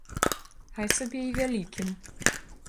Хай сабе і вялікім.